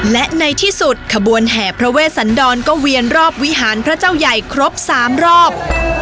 และในที่สุดขบวนแห่พระเวสันดรก็เวียนรอบวิหารพระเจ้าใหญ่ครบ๓รอบ